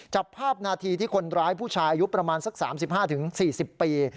จับภาพนาทีที่คนร้ายผู้ชายอายุประมาณสัก๓๕๔๐ปี